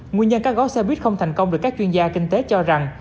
nguyên nhân các gói xe buýt không thành công được các chuyên gia kinh tế cho rằng